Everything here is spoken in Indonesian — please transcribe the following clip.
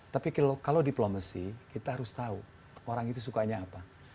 tapi kalau diplomasi kita harus tahu orang itu sukanya apa